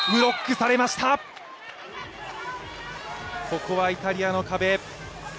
ここはイタリアの壁。